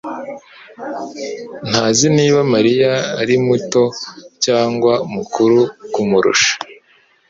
ntazi niba Mariya ari muto cyangwa mukuru kumurusha.